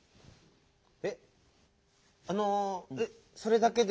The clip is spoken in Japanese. えっあのそれだけですか？